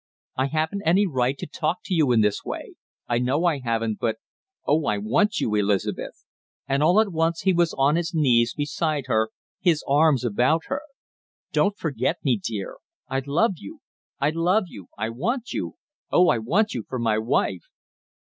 "I haven't any right to talk to you in this way; I know I haven't, but Oh, I want you, Elizabeth!" And all at once he was on his knees beside her, his arms about her. "Don't forget me, dear! I love you, I Love you I want you Oh, I want you for my wife!"